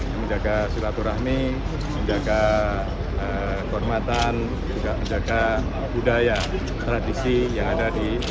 yang menjaga silaturahmi menjaga kehormatan juga menjaga budaya tradisi yang ada di